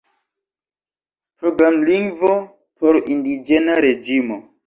Programlingvo por indiĝena reĝimo.